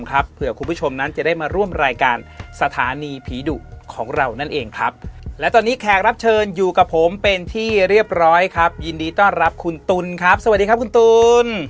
เผื่อคุณผู้ชมนั้นจะได้มาร่วมรายการสถานีผีดุของเรานั่นเองครับและตอนนี้แขกรับเชิญอยู่กับผมเป็นที่เรียบร้อยครับยินดีต้อนรับคุณตุ๋นครับสวัสดีครับคุณตุ๋น